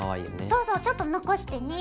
そうそうちょっと残してね。